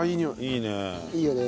いいよね。